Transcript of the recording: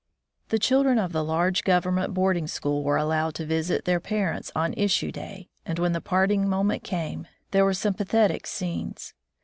The children of the large Government boarding school were allowed to visit their parents on issue day, and when the parting moment came, there were some pathetic scenes.